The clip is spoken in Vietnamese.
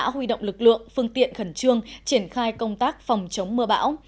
huy động lực lượng phương tiện khẩn trương triển khai công tác phòng chống mưa bão